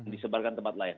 disebarkan ke tempat lain